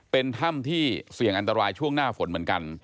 เป็นถ้ำที่เสี่ยงอันตรายช่วงหน้าฝนเหมือนกัน